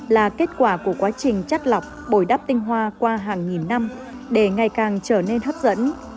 là kết quả của quá trình chắt lọc bồi đắp tinh hoa qua hàng nghìn năm để ngày càng trở nên hấp dẫn